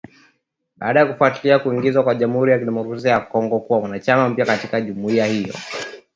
Baada ya kufuatia kuingizwa kwa Jamhuri ya Kidemokrasi ya Kongo kuwa mwanachama mpya katika jumuiya hiyo.